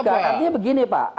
bukan artinya begini pak